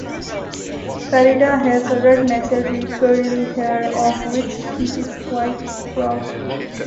Frieda has red "naturally" curly hair, of which she is quite proud.